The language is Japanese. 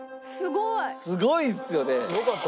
すごいですよね！